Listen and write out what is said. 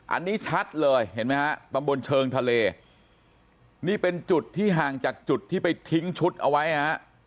อันนี้ชัดเลยเห็นไหมฮะตำบลเชิงทะเลนี่เป็นจุดที่ห่างจากจุดที่ไปทิ้งชุดเอาไว้ฮะ